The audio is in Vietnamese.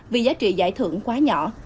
vì giá trị giải thưởng quá nhỏ